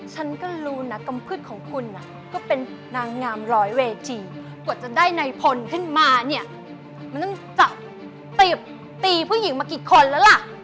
ฉันก็รู้นะกำพืชของคุณก็เป็นนางงามร้อยเวทีกว่าจะได้นายพลขึ้นมาเนี่ยมันต้องจับติบตีผู้หญิงมากี่คนแล้วล่ะ